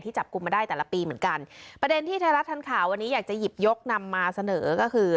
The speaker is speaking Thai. จับกลุ่มมาได้แต่ละปีเหมือนกันประเด็นที่ไทยรัฐทันข่าววันนี้อยากจะหยิบยกนำมาเสนอก็คือ